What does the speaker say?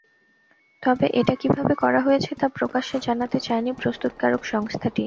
তবে এটা কীভাবে করা হয়েছে, তা প্রকাশ্যে জানাতে চায়নি প্রস্তুতকারক সংস্থাটি।